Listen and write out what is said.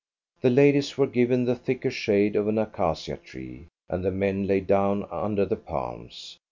The ladies were given the thicker shade of an acacia tree, and the men lay down under the palms.